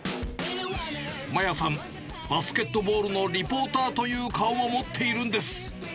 麻椰さん、バスケットボールのリポーターという顔を持っているんです。